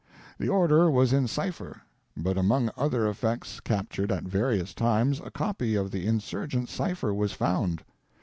The order was in cipher, but among other effects captured at various times a copy of the Insurgent cipher was found.